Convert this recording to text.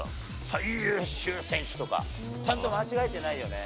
最優秀選手とか、ちゃんと間違えてないよね。